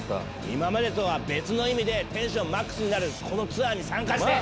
今までとは別の意味でテンションＭＡＸになるこのツアーに参加して！